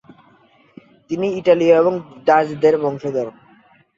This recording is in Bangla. তিনি ইটালীয় এবং ডাচ্-দের বংশধর।